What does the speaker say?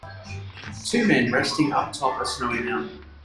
Two men resting uptop a snowy mountain.